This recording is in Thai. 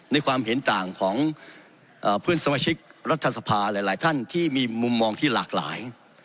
ในความเห็นต่างของเพื่อนสมาชิกรัฐสภาหลายท่านที่มีมุมมองที่หลากหลาย